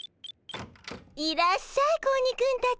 いらっしゃい子鬼くんたち。